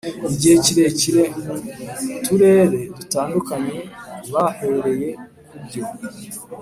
igihe kirekire mu turere dutandukanye Bahereye ku byo